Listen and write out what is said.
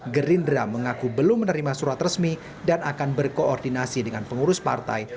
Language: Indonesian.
gerindra mengaku belum menerima surat resmi dan akan berkoordinasi dengan pengurus partai